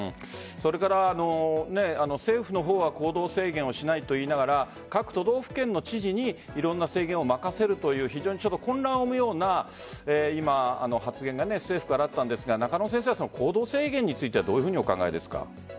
それから政府は行動制限をしないと言いながら各都道府県の知事にいろんな制限を任せるという非常に困難を生むような発言が政府からあったんですが中野先生は行動制限についてどうお考えですか？